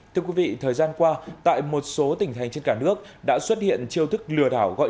thưa quý vị thời gian qua tại một số tỉnh thành trên cả nước đã xuất hiện chiêu thức lừa đảo gọi